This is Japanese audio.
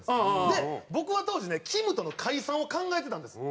で僕は当時ねきむとの解散を考えてたんです。